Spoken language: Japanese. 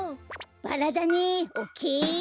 バラだねオッケー！